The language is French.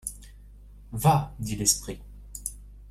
Va ! dit l’esprit.